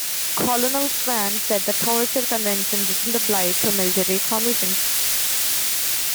Colonel Swann said the Torture Convention didn't apply to military commissions.